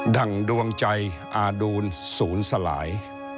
ดั่งดวงใจอาดูลศูนย์สลาย